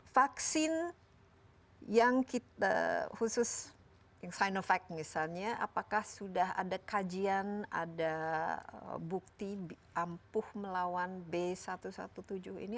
vaksin yang kita khusus yang sinovac misalnya apakah sudah ada kajian ada bukti ampuh melawan b satu satu tujuh ini